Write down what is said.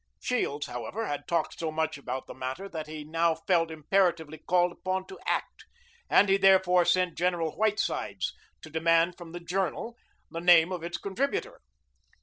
Shields, however, had talked so much about the matter that he now felt imperatively called upon to act, and he therefore sent General Whitesides to demand from the "Journal" the name of its contributor.